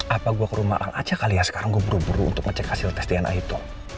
apa gue ke rumah orang aceh kali ya sekarang gue buru buru untuk ngecek hasil tes dna itu